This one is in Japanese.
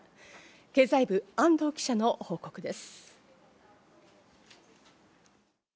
経済部、安藤記者の報告です。